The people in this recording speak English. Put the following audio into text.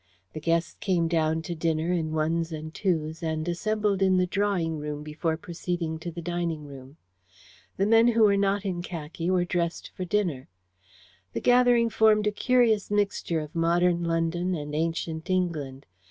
The guests came down to dinner in ones and twos, and assembled in the drawing room before proceeding to the dining room. The men who were not in khaki were dressed for dinner. The gathering formed a curious mixture of modern London and ancient England.